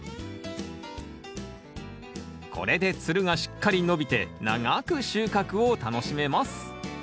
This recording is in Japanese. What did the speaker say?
これでつるがしっかり伸びて長く収穫を楽しめます